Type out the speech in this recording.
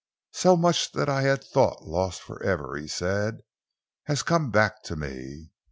"So much that I had thought lost for ever," he said, "has come back to me.